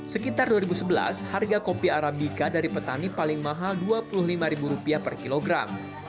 sekitar dua ribu sebelas harga kopi arabica dari petani paling mahal rp dua puluh lima per kilogram